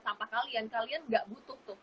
sampah kalian kalian gak butuh tuh